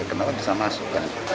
kenapa bisa masuk kan